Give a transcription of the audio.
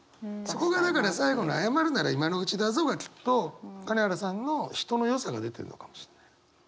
そこがだから最後の「謝るなら今のうちだぞ」がきっと金原さんの人のよさが出てるのかもしんない。